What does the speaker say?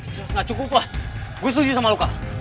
jelas gak cukup lah gue setuju sama lo kak